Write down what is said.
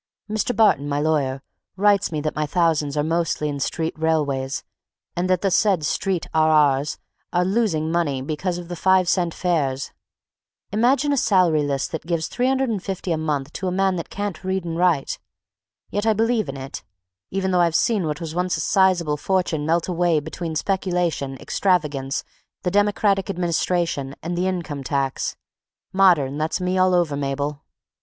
Mr. Barton, my lawyer, writes me that my thousands are mostly in street railways and that the said Street R.R. s are losing money because of the five cent fares. Imagine a salary list that gives $350 a month to a man that can't read and write!—yet I believe in it, even though I've seen what was once a sizable fortune melt away between speculation, extravagance, the democratic administration, and the income tax—modern, that's me all over, Mabel.